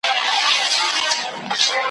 شته مني لکه لولۍ چي د سړي غیږي ته لویږي !.